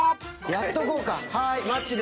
やっとこうか。